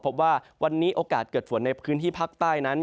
พบว่าวันนี้โอกาสเกิดฝนในพื้นที่ภาคใต้นั้น